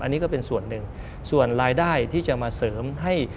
อันนี้ก็เป็นส่วนหนึ่งส่วนรายได้ที่จะมาเสริมให้